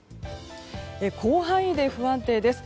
広範囲で不安定です。